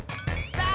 さあ！